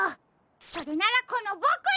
それならこのボクに！